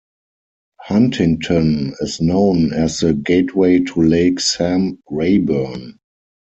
Huntington is known as the "Gateway to Lake Sam Rayburn".